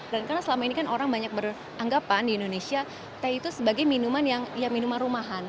dan karena selama ini kan orang banyak beranggapan di indonesia teh itu sebagai minuman yang minuman rumahan